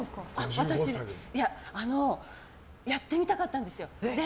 私、やってみたかったんですよ。